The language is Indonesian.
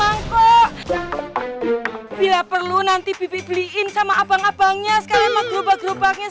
adam ini jangan kewilutan ya